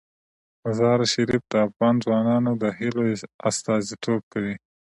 مزارشریف د افغان ځوانانو د هیلو استازیتوب کوي.